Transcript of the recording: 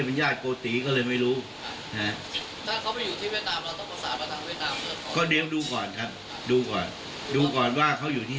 รัฐมนตรีก็เพิ่งมาหาเราเมื่อสองวันนี้